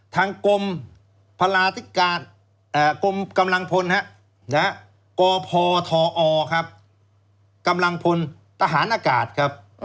ทางกรมกำลังพลครับกพทอครับกำลังพลทหารอากาศครับ